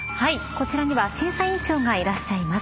こちらには審査員長がいらっしゃいます。